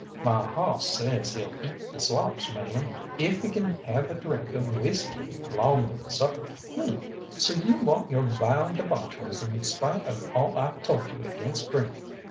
"My hawss says he'll eat the slops, ma'am, if he can have a drink of whisky along with supper." "Huh! so you want your vile debaucheries in spite of all I've told you against drink.